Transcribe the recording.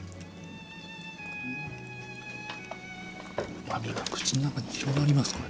うま味が口の中に広がりますね。